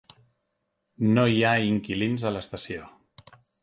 No hi ha inquilins a l'estació.